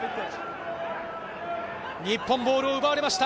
日本ボールを奪われました。